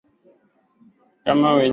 kama wenyeji wa maeneo mengine ya chini